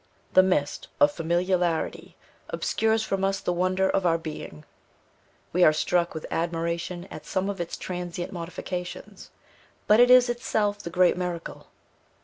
The mist of familiarity obscures from us the wonder of our being. We are struck with admiration at some of its transient modifications, but it is itself the great miracle.